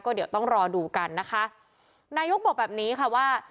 เดี๋ยวต้องรอดูกันนะคะนายกบอกแบบนี้ค่ะว่า